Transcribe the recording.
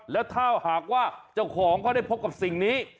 แล้วถ้าหากว่าเจ้าของเขาได้พบกับสิ่งนี้